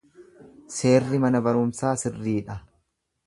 Seerri mana barumsaa sirrii dha.